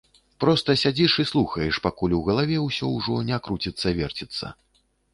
Проста сядзіш і слухаеш, пакуль ў галаве ўсё ужо не круціцца-верціцца.